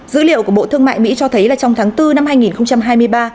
dữ liệu của bộ thương mại mỹ cho thấy là trong tháng bốn năm hai nghìn hai mươi ba